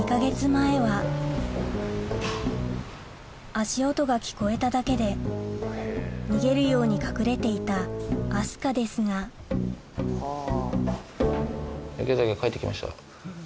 足音が聞こえただけで逃げるように隠れていた明日香ですが池崎が帰って来ました。